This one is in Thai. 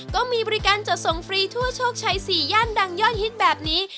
ก็มีบริการจัดส่งฟรีทั่วโชคชัย๔ย่านดังยอดฮิตแบบนี้